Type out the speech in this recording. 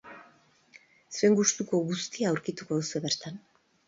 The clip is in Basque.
Zuen gustuko guztia aurkituko duzue bertan.